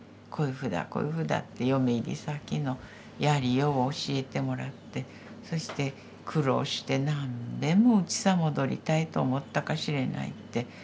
こういうふうだこういうふうだって嫁入り先のやりようを教えてもらってそして苦労して何べんもうちさ戻りたいと思ったかしれないって。